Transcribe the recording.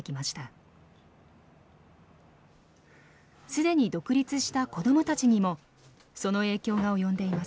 既に独立した子どもたちにもその影響が及んでいます。